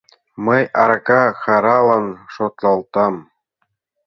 Мый арака хӓрралан шотлалтам.